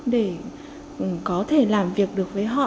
để có thể làm việc được với họ